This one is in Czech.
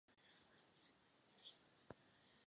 Rybník má písčité pláže i dno.